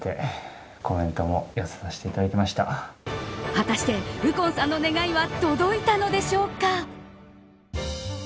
果たして右近さんの願いは届いたのでしょうか。